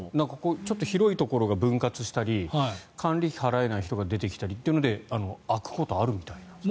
ちょっと広いところが分割したり管理費払えない人が出てきたりというので空くことはあるみたいです